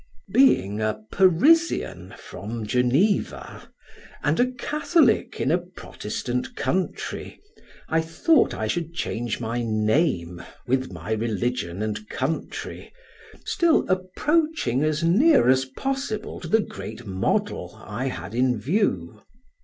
Being a Parisian from Geneva, and a Catholic in a Protestant country, I thought I should change my name with my religion and country, still approaching as near as possible to the great model I had in view.